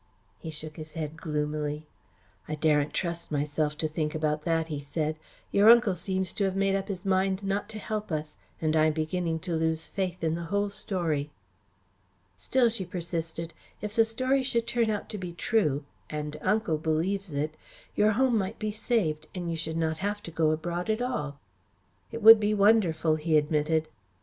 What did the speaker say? He shook his head gloomily. "I daren't trust myself to think about that," he said. "Your uncle seems to have made up his mind not to help us, and I'm beginning to lose faith in the whole story." "Still," she persisted, "if the story should turn out to be true and Uncle believes it your home might be saved, and you would not have to go abroad at all." "It would be wonderful," he admitted.